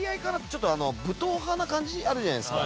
ちょっと武闘派な感じあるじゃないですか。